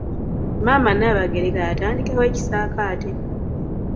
Maama Nabagereka yatandikawo ekisakate.